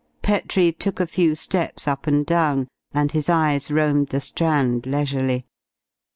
Petrie took a few steps up and down, and his eyes roamed the Strand leisurely.